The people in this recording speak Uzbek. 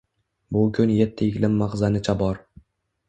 Bu kun yetti iqlim maxzanicha bor